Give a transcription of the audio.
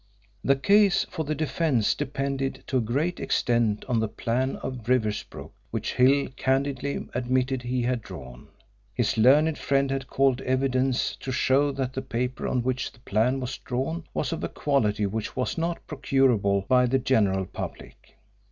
The case for the defence depended to a great extent on the plan of Riversbrook which Hill candidly admitted he had drawn. His learned friend had called evidence to show that the paper on which the plan was drawn was of a quality which was not procurable by the general public.